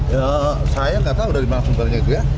ya saya enggak tahu dari mana sempatnya itu ya